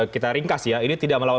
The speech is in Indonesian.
kita ringkas ya ini tidak melawan